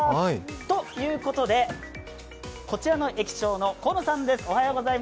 ということで、こちらの駅長の高野さんです。